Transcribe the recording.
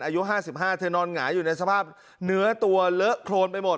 อายุ๕๕เธอนอนหงายอยู่ในสภาพเนื้อตัวเลอะโครนไปหมด